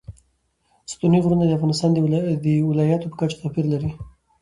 ستوني غرونه د افغانستان د ولایاتو په کچه توپیر لري.